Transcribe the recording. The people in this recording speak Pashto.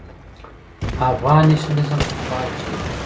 افغان نېشنلېزم پخوا جهل و.